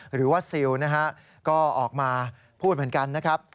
หรือว่าซิลนะฮะก็ออกมาพูดเหมือนกันนะครับ